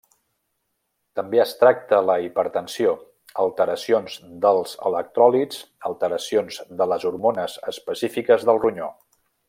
També es tracta la hipertensió, alteracions dels electròlits, alteracions de les hormones específiques del ronyó.